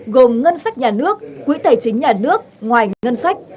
gồm ngân sách nhà nước quỹ tài chính nhà nước ngoài ngân sách